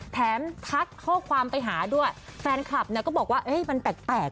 ทักข้อความไปหาด้วยแฟนคลับเนี่ยก็บอกว่ามันแปลก